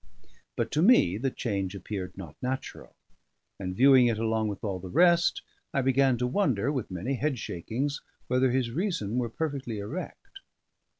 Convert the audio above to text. But to me the change appeared not natural; and viewing it along with all the rest, I began to wonder, with many head shakings, whether his reason were perfectly erect.